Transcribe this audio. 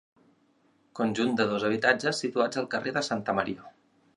Conjunt de dos habitatges situats al carrer de Santa Maria.